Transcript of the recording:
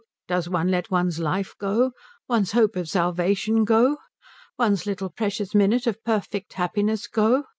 Does one let one's life go? One's hope of salvation go? One's little precious minute of perfect happiness go?